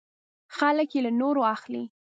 خلک یې له نورو اخلي .